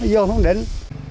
vô không định